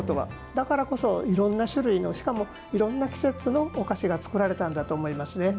だからこそ、いろんな種類のいろんな季節のお菓子が作られたんだと思います。